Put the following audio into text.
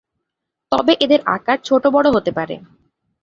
তবে এদের আকার ছোট-বড় হতে পারে।